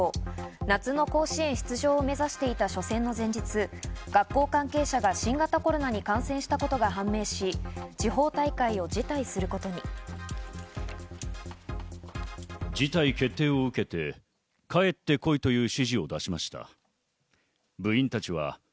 夏の甲子園出場を目指していた初戦の前日、学校関係者が新型コロナに感染したことが判明し、地方大会を辞退することに。